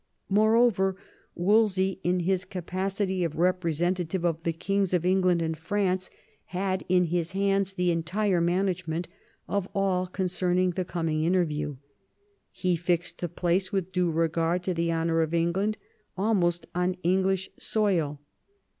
Moreover, Wolsey, in his capacity of representative IV THE FIELD OF THE CLOTH OF GOLD 61 of the Kings of England and France, had in his hands the entire management of all concerning the coming interview. He fixed the place with due regard to the honour of England, almost on English soil.